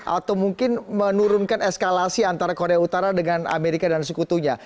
atau mungkin menurunkan eskalasi antara korea utara dengan amerika dan sekutunya